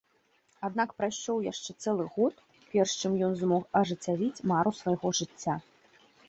Аднак прайшоў яшчэ цэлы год, перш чым ён змог ажыццявіць мару свайго жыцця.